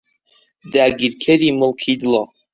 داگیرکەری ملکی دڵە